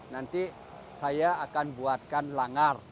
nanti saya akan buatkan langar